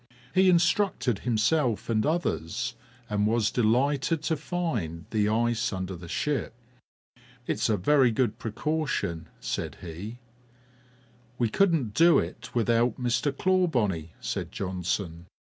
He instructed himself and others, and was delighted to find the ice under the ship. "It's a very good precaution!" said he. "We couldn't do without it, Mr. Clawbonny," said Johnson.